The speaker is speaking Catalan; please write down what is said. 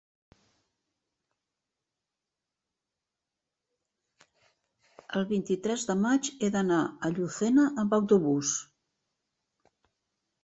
El vint-i-tres de maig he d'anar a Llucena amb autobús.